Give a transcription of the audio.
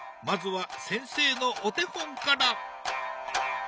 まずは先生のお手本から！